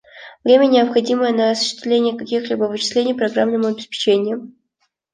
Время, необходимое на осуществление каких-либо вычислений программным обеспечением